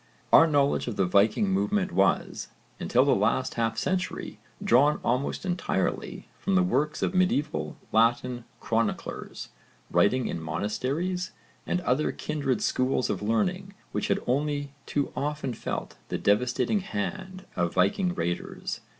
Our knowledge of the Viking movement was, until the last half century, drawn almost entirely from the works of medieval Latin chroniclers, writing in monasteries and other kindred schools of learning which had only too often felt the devastating hand of Viking raiders.